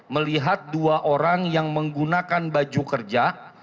melihat dua orang yang menggunakan baju kerja